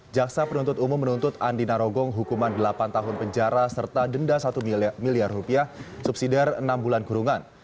jaksa penuntut umum menuntut andi narogong hukuman delapan tahun penjara serta denda satu miliar rupiah subsidiar enam bulan kurungan